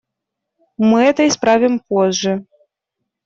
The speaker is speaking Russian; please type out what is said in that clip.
Мы это исправим позже.